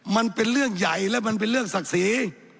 มันเป็นเรื่องใยและลึกศักดิ์สี